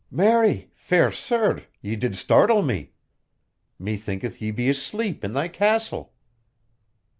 "Marry! fair sir, ye did startle me. Methinketh ye be asleep in thy castle."